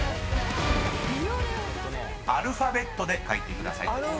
［アルファベットで書いてください。